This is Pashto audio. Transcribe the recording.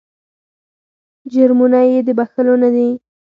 جرمونه یې د بخښلو نه دي.